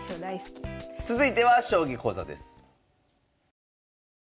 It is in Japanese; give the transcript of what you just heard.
続いては将棋講座です。